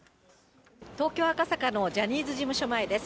東京・赤坂のジャニーズ事務所前です。